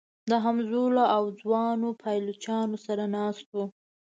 د همزولو او ځوانو پایلوچانو سره ناست و.